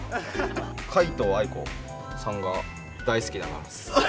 皆藤愛子さんが大好きだからです。